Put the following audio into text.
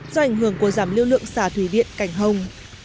do ảnh hưởng của giảm lưu lượng xã thủy viện cảnh hồng